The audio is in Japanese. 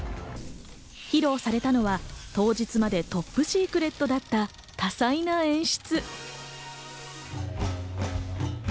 披露されたのは当日までトップシークレットだった多彩な演出。